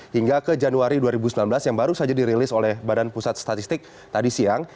hingga ke januari dua ribu sembilan belas yang baru saja dirilis oleh badan pusat statistik tadi siang